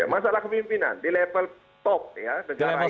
masalah kepemimpinan di level